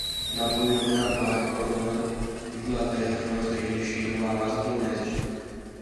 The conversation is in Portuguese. Napoleão Bonaparte, Holanda, Inglaterra, França, Índia, China, Malásia, Indonésia